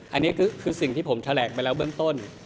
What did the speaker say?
อันนี้ก็คือสิ่งที่ผมแถลงไปแล้วเบื้องต้น